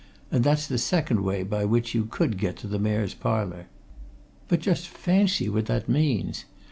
And that's the second way by which you could get to the Mayor's Parlour. But just fancy what that means!